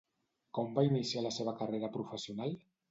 Com va iniciar la seva carrera professional?